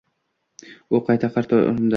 U qayta-qayta urindi.